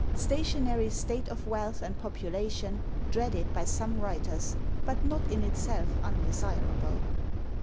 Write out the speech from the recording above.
Stationary state of wealth and population dreaded by some writers, but not in itself undesirable.